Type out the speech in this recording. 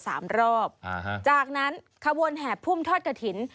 สามรอบอ่าฮะจากนั้นขบวนแห่พุ่มทอดกระถิ่น